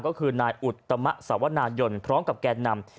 ก็คือนายอุตมะสวนายนพร้อมกับแกนนำ